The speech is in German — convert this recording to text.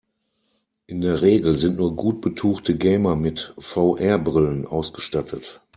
In der Regel sind nur gut betuchte Gamer mit VR-Brillen ausgestattet.